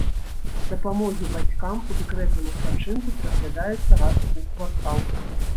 Дапамогі бацькам у дэкрэтным адпачынку пераглядаюцца раз у квартал.